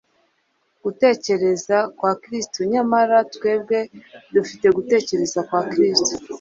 Gutekereza kwa Kristo …Nyamara twebwe dufite gutekereza kwa Kristo.